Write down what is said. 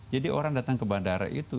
jadi orang datang ke bandara itu